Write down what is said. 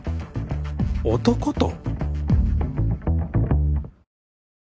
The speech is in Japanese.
男と？